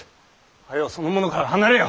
早うその者から離れよ！